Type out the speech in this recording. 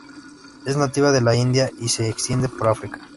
Es nativa de la India y se extiende por África.